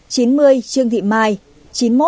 chín mươi trương thị mai